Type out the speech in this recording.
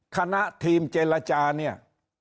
คณะทีมเจรจาเนี่ย